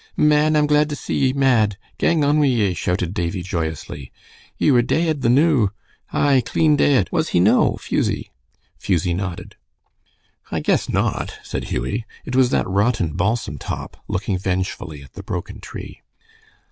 "Man! I'm glad to see ye mad. Gang on wi' ye," shouted Davie, joyously. "Ye were deid the noo. Ay, clean deid. Was he no, Fusie?" Fusie nodded. "I guess not," said Hughie. "It was that rotten balsam top," looking vengefully at the broken tree.